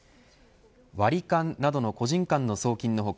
割り勘などの個人間の送金の他